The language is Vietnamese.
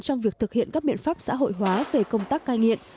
trong việc thực hiện các biện pháp xã hội hóa về công tác cai nghiện